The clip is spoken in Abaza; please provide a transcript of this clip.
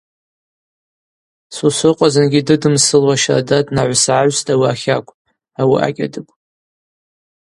Сосрыкъва зынгьи дыдымсылуа щарда днагӏвсгӏагӏвстӏ ауи ахакв, ауи акӏьадыгв.